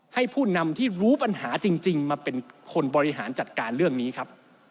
ผู้นำที่รู้ปัญหาจริงมาเป็นคนบริหารจัดการเรื่องนี้ครับ